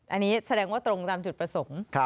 อันนี้แสดงว่าตรงตามจุดประสงค์